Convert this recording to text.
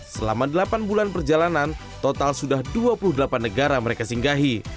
selama delapan bulan perjalanan total sudah dua puluh delapan negara mereka singgahi